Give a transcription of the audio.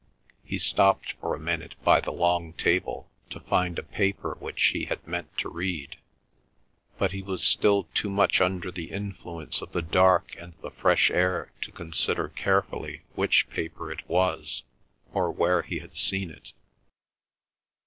He stopped for a minute by the long table to find a paper which he had meant to read, but he was still too much under the influence of the dark and the fresh air to consider carefully which paper it was or where he had seen it.